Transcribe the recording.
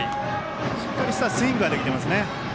しっかりしたスイングはできてますね。